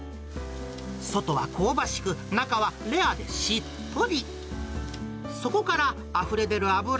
外は香ばしく、中はレアでしっとり。